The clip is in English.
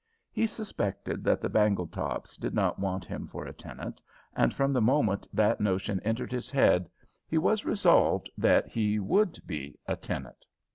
He suspected that the Bangletops did not want him for a tenant, and from the moment that notion entered his head, he was resolved that he would be a tenant.